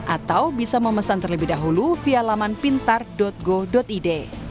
atau bisa memesan terlebih dahulu via laman pintar go id